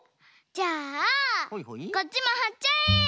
じゃあこっちもはっちゃえ！